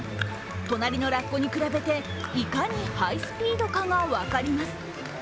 隣のラッコに比べていかにハイスピードかが分かります。